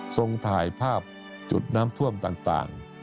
ส่งถ่ายภาพจุดน้ำท่วมต่าง